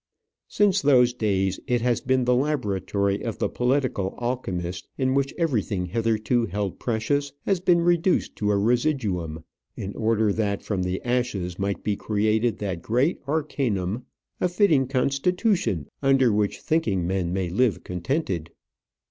Since those days it has been the laboratory of the political alchemist, in which everything hitherto held precious has been reduced to a residuum, in order that from the ashes might be created that great arcanum, a fitting constitution under which thinking men may live contented.